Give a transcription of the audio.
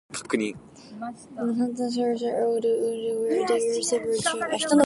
The "Santas Cuevas" are old catacombs where there are several chapels.